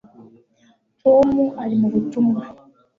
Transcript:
Tom ari mu butumwa